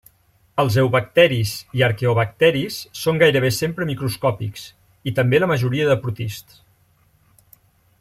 Els eubacteris i arqueobacteris són gairebé sempre microscòpics, i també la majoria de protists.